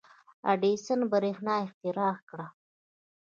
• اډېسن برېښنا اختراع کړه.